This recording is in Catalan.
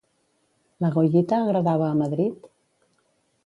La Goyita agradava a Madrid?